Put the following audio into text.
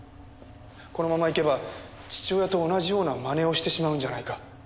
このままいけば父親と同じような真似をしてしまうんじゃないか。